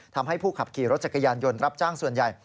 ทำให้ผู้ขับขี่รถจักรยานยนต์รับจ้างส่วนใหญ่